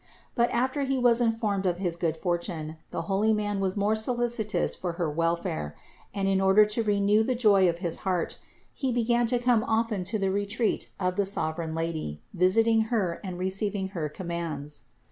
But after he was informed of his good fortune, the holy man was more solicitous for her welfare, and in order to renew the joy of his heart he began to come often to the retreat of the sovereign Lady, visiting Her and receiving her commands.